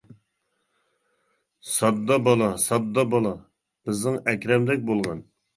-ساددا بالا، ساددا بالا. بىزنىڭ ئەكرەمدەك بولغىن.